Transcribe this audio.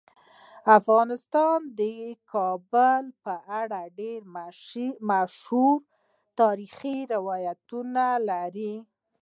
افغانستان د کابل په اړه ډیر مشهور تاریخی روایتونه لري.